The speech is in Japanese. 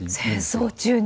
戦争中に。